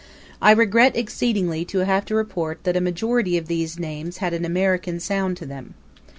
I regret exceedingly to have to report that a majority of these names had an American sound to them.